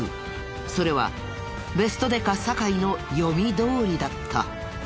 それはベストデカ酒井の読みどおりだった。